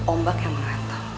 ombak yang mengantau